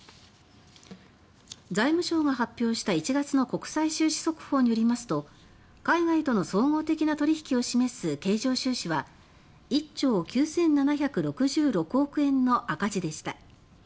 財務省が発表した１月の国際収支速報によりますと海外との総合的な取引を示す経常収支は１兆９７６６億円の赤字でした。